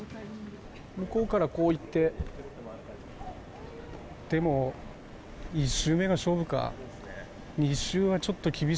向こうからこう行って、でも１周目が勝負か。